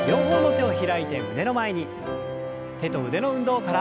手と腕の運動から。